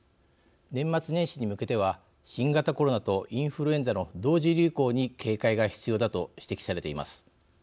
年末年始に向けては新型コロナとインフルエンザの同時流行に警戒が必要だと指摘されています。